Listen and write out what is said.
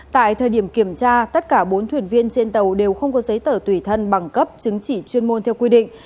tại thời điểm kiểm tra tất cả bốn thuyền viên trên tàu đều không có giấy tờ tùy thân bằng cấp chứng chỉ chuyên môn theo quy định